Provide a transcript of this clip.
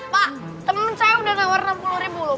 pak temen saya udah nawar rp enam puluh lho pak